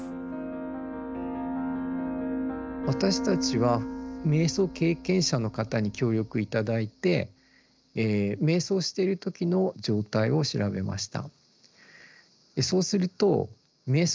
私たちは瞑想経験者の方に協力頂いて瞑想している時の状態を調べました。